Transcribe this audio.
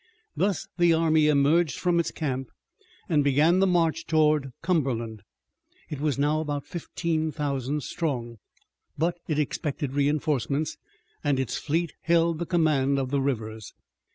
Thus the army emerged from its camp and began the march toward the Cumberland. It was now about fifteen thousand strong, but it expected reinforcements, and its fleet held the command of the rivers.